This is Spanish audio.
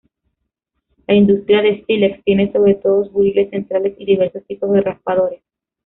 La industria de sílex tiene sobre todo buriles centrales y diversos tipos de raspadores.